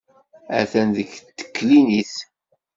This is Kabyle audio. Atan deg teklinit.